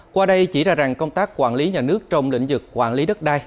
qua đây chỉ ra rằng công tác quản lý nhà nước trong lĩnh vực quản lý đất đai